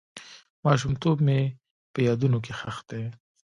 ماشومتوب مې په یادونو کې ښخ دی.